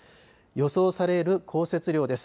予想される降雪量です。